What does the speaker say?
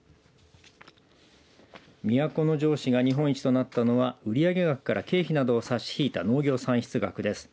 都城市が日本一となったのは売上額から経費などを差し引いた農業産出額です。